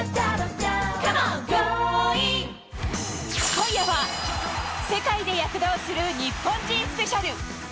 今夜は、世界で躍動する日本人スペシャル。